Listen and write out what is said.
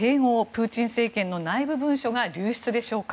プーチン政権の内部文書が流出でしょうか。